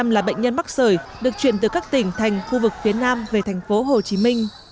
bảy mươi là bệnh nhân mắc sởi được chuyển từ các tỉnh thành khu vực phía nam về tp hcm